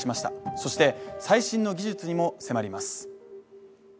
そして最新の技術にも迫ります。